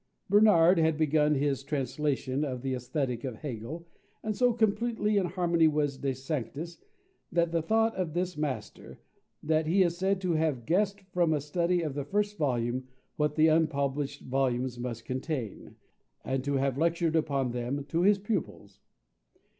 Benard had begun his translation of the Aesthetic of Hegel, and so completely in harmony was De Sanctis with the thought of this master, that he is said to have guessed from a study of the first volume what the unpublished volumes must contain, and to have lectured upon them to his pupils.